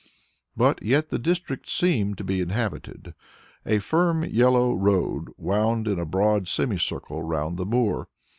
But yet the district seemed to be inhabited. A firm yellow road wound in a broad semicircle round the moor.